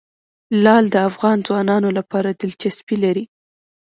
لعل د افغان ځوانانو لپاره دلچسپي لري.